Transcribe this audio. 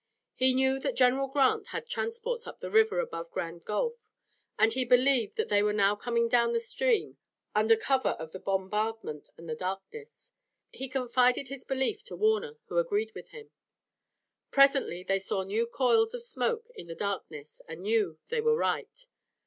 He knew that General Grant had transports up the river above Grand Gulf, and he believed that they were now coming down the stream under cover of the bombardment and the darkness. He confided his belief to Warner, who agreed with him. Presently they saw new coils of smoke in the darkness and knew they were right.